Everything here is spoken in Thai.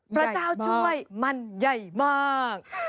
พระเจ้าช่วยมันใหญ่มาก